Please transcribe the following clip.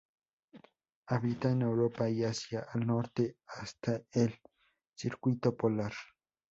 Habita en Europa y Asia al norte hasta el Círculo polar.